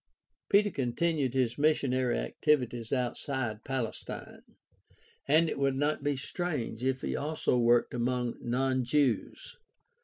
Peter continued his missionary activities outside Palestine, and it would not be strange if he also worked among non Jews.